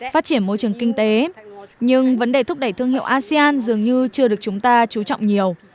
phát triển môi trường kinh tế nhưng vấn đề thúc đẩy thương hiệu asean dường như chưa được chúng ta chú trọng nhiều